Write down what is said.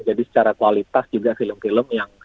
jadi secara kualitas juga film film yang